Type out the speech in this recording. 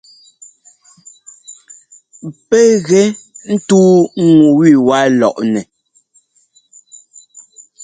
Pɛ́ gɛ ńtʉ́u ŋu ẅiwá lɔʼnɛ.